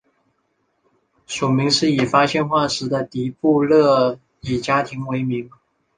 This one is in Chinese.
属名是以发现化石的迪布勒伊家庭为名。